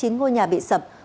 tám mươi chín ngôi nhà bị sập